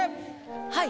はい。